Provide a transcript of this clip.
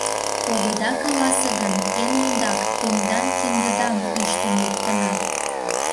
Огыда каласе гын, эн ондак тендан киндыдам ӱштын луктына.